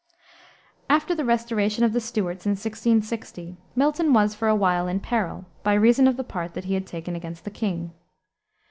After the restoration of the Stuarts, in 1660, Milton was for a while in peril, by reason of the part that he had taken against the king.